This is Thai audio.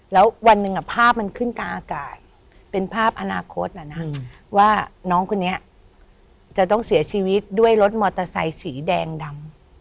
แล้ววันหนึ่งภาพมันขึ้นกลางอากาศเป็นภาพอนาคตนะว่าน้องคนนี้จะต้องเสียชีวิตด้วยรถมอเตอร์ไซค์สีแดงดำ